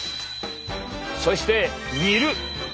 そして「煮る」！